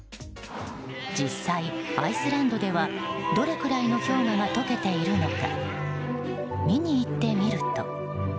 実際、アイスランドではどれくらいの氷河が解けているのか見に行ってみると。